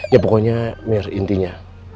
ya pokoknya mir intinya